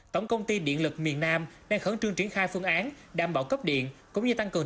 tổng công ty điện lực miền nam đang khẩn trương triển khai phương án đảm bảo cấp điện cũng như tăng cường